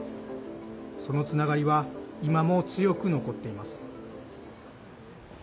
そのつながりは今も強く残っています。